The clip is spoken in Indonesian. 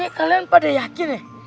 ini kalian pada yakin ya